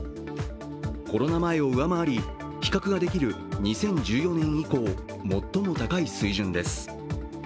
コロナ前を上回り、比較ができる２０１４年以降、最も高い水準です。